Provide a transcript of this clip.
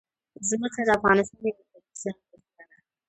ځمکه د افغانستان یوه طبیعي ځانګړتیا ده.